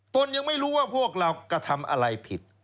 ยังไม่รู้ว่าพวกเรากระทำอะไรผิด